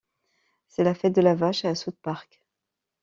C'est la fête de la vache à South Park.